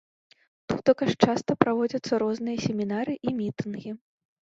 Тутака ж часта праводзяцца розныя семінары і мітынгі.